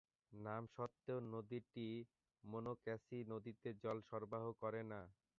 নাম সত্ত্বেও, নদীটি মোনোক্যাসি নদীতে জল সরবরাহ করে না।